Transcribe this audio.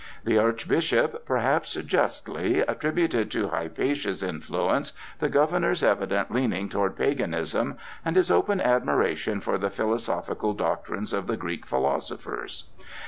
The Archbishop, perhaps justly, attributed to Hypatia's influence the governor's evident leaning toward paganism and his open admiration for the philosophical doctrines of the Greek philosophers.